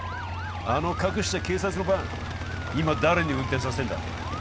あの隠した警察のバン今誰に運転させてんだ